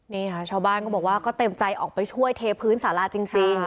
นี่ค่ะชาวบ้านก็บอกว่าก็เต็มใจออกไปช่วยเทพื้นสาราจริง